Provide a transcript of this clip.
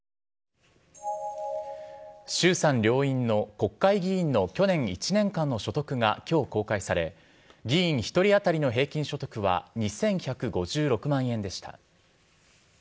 衆参両院の国会議員の去年１年間の所得がきょう公開され、議員１人当たりの平均所得は２１５６万円でした。